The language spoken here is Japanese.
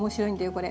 これ。